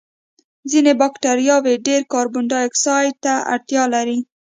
ځینې بکټریاوې ډېر کاربن دای اکسایډ ته اړتیا لري.